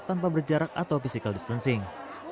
tanpa berjarak atau physical distancing